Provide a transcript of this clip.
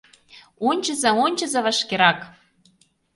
— Ончыза, ончыза вашкерак!